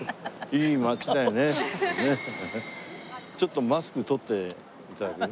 ちょっとマスク取って頂ける？